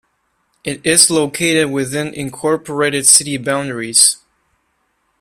It is located within incorporated city boundaries.